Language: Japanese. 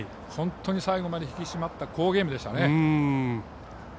本当に最後まで引き締まった好ゲームでしたね。